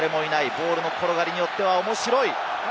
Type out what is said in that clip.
ボールの転がりによっては面白い。